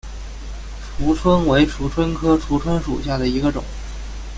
蜍蝽为蜍蝽科蜍蝽属下的一个种。